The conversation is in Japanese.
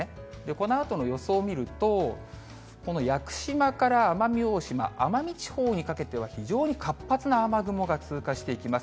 このあとの予想を見ると、屋久島から奄美大島、奄美地方にかけては、非常に活発な雨雲が通過していきます。